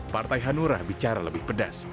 partai hanura bicara lebih pedas